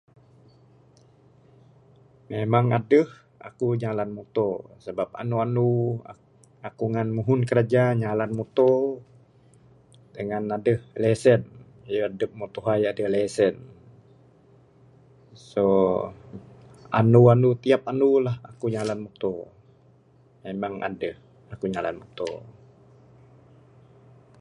Memang edeh, eku nyalan meto, sebab endu-endu, eku muhun kerja nyalan meto, dengan edeh lesen, ngin edep mbeh tuhai edeh lesen. So.., endu endu tiap endu lah eku ngalan meto, memang edeh kuk ngalan meto.